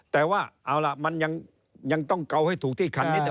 แต่ว่าเอาละมันยังต้องเกาให้ถูกที่คันนี้